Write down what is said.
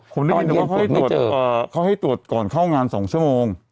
ผมได้ยินว่าเขาให้ตรวจก่อนเข้างาน๒ชั่วโมง